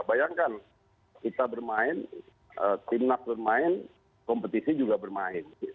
sedangkan kita bermain tim nab bermain kompetisi juga bermain